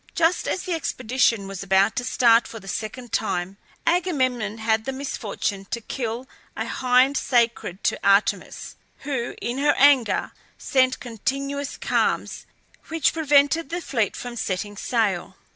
Just as the expedition was about to start for the second time, Agamemnon had the misfortune to kill a hind sacred to Artemis, who, in her anger, sent continuous calms, which prevented the fleet from setting sail.